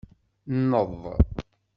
Nneḍ.